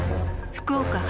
福岡発